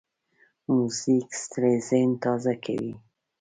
موزیک ستړی ذهن تازه کوي.